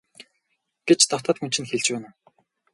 гэж дотоод хүн чинь хэлж байна уу?